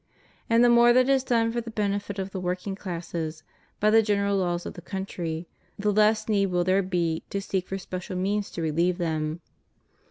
And the more that is done for the benefit of the working classes by the general laws of the country, the less need will there be to seek for special means to reheve them.